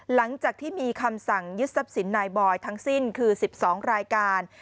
หลังจากที่มีคำสั่งยึดทรัพย์สินนายบอยทั้งสิ้นคือ๑๒รายการ